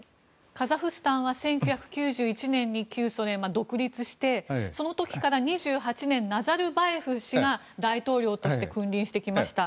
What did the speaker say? カザフスタンは１９９１年に旧ソ連から独立してその時から２８年ナザルバエフ氏が大統領として君臨してきました。